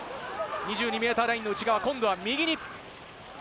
２２ｍラインの内側、今度は右に。